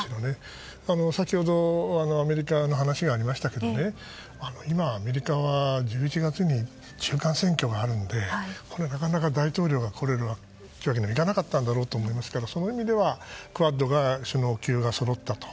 先ほどアメリカの話がありましたけどアメリカは１１月に中間選挙があるのでこれがなかなか大統領が来るわけにはいかなかったんだろうと思いますから、その意味ではクアッドの首脳級がそろったと。